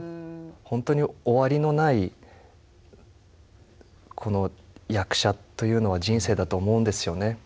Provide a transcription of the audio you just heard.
本当に終わりのないこの役者というのは人生だと思うんですよね。